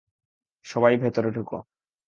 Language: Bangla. সবাই ভেতরে ঢুকো।